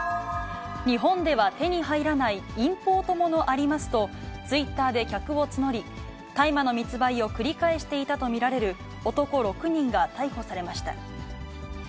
日本では手に入らないインポートものありますと、ツイッターで客を募り、大麻の密売を繰り返していたと見られる男６人が逮捕されました。